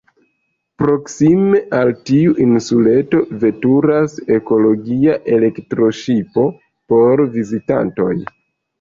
Proksime al tiu insuleto veturas ekologia elektroŝipo por vizitantoj.